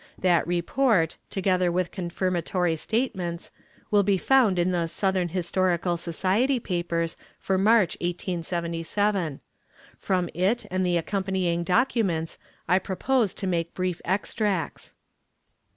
That report, together with confirmatory statements, will be found in the "Southern Historical Society Papers" for March, 1877. From it and the accompanying documents I propose to make brief extracts.